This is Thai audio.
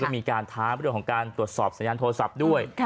ก็มีการท้าเรื่องการตรวจสอบสายานโทรศัพท์ด้วย